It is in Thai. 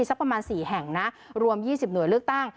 สักประมาณ๔แห่งนะรวม๒๐หน่วยเลือกตั้ง